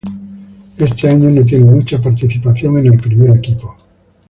Ese año no tiene mucha participación en el primer equipo.